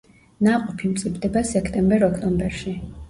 ნაყოფი მწიფდება სექტემბერ-ოქტომბერში.